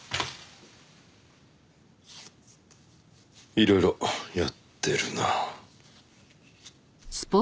いろいろやってるな。